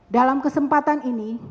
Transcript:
dalam kesempatan ini